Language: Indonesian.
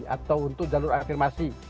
atau untuk jalur afirmasi